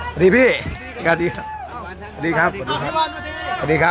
สวัสดีพี่สวัสดีครับสวัสดีครับสวัสดีครับสวัสดีครับ